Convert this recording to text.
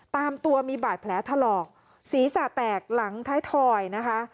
ตามตัวมีบาดแผลถลอกศีรษะแตกหลังท้ายถอยนะคะ